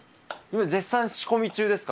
絶賛仕込み中ですか？